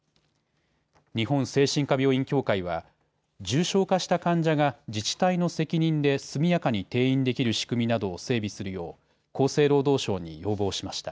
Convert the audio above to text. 日本精神科病院協会は重症化した患者が自治体の責任で速やかに転院できる仕組みなどを整備するよう厚生労働省に要望しました。